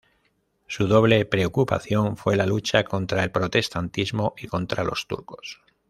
Su doble preocupación fue la lucha contra el protestantismo y contra los turcos.